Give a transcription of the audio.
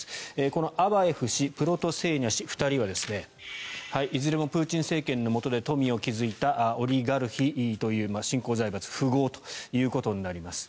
このアバエフ氏プロトセーニャ氏２人はいずれもプーチン政権のもとで富を築いたオリガルヒという新興財閥、富豪ということになります。